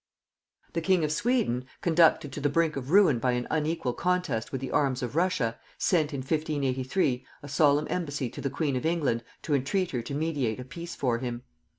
The king of Sweden, conducted to the brink of ruin by an unequal contest with the arms of Russia, sent in 1583 a solemn embassy to the queen of England to entreat her to mediate a peace for him.